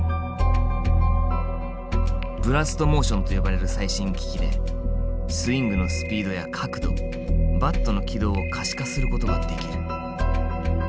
ブラストモーションと呼ばれる最新機器でスイングのスピードや角度バットの軌道を可視化することができる。